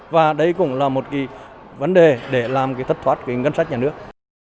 và đây cũng là một vấn đề để làm thất thoát ngân sách nhà nước